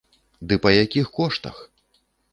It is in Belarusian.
Ды па якіх коштах!